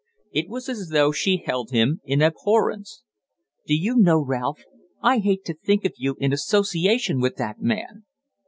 It was as though she held him in abhorrence. "Do you know, Ralph, I hate to think of you in association with that man."